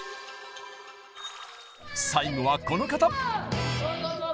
最後はこの方！